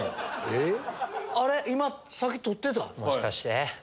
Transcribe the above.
あれ⁉もしかして？